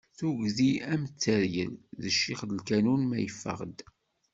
Tugdi am teryel, d ccix n lkanun ma yeffeɣ-d.